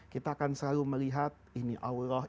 kita akan selalu melihat ini allah